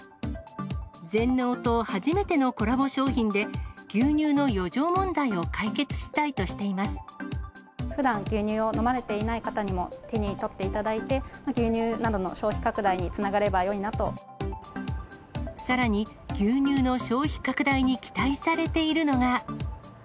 全農と初めてのコラボ商品で、牛乳の余剰問題を解決したいとしふだん、牛乳を飲まれていない方にも手に取っていただいて、牛乳などの消さらに、牛乳の消費拡大に期待されているのが。